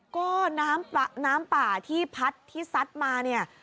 ก็น้ำป่าที่พัดที่ซัดมาเนี่ย